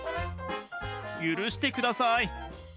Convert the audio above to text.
許してください。